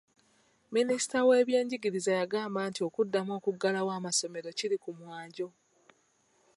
Minisita w'ebyenjigiriza yagamba nti okuddamu okuggulawo amasomero kiri ku mwanjo.